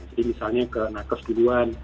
jadi misalnya ke nakas duluan